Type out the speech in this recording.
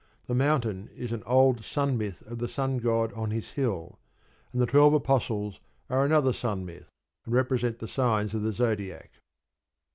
The mountain is an old sun myth of the Sun God on his hill, and the twelve apostles are another sun myth, and represent the signs of the Zodiac.